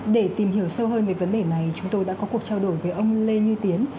để tìm hiểu sâu hơn về vấn đề này chúng tôi đã có cuộc trao đổi với ông lê như tiến